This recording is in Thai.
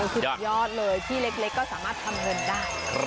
สุดยอดเลยที่เล็กก็สามารถทำเงินได้